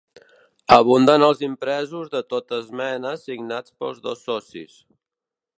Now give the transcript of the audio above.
Abunden els impresos de totes menes signats pels dos socis.